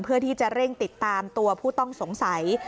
เพื่อที่จะเร่งติดตามตัวผู้ต้องสงสัย